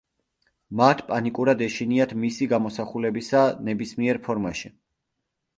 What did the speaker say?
მათ პანიკურად ეშინიათ მისი გამოსახულებისა ნებისმიერ ფორმაში.